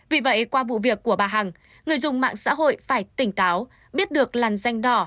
vì vậy qua vụ việc của bà hằng người dùng mạng xã hội phải tỉnh táo biết được làn danh đỏ